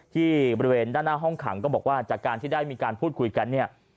ที่บริเวณด้านหน้าห้องขังก็บอกว่าจากการที่ได้มีการพูดคุยกันเนี่ย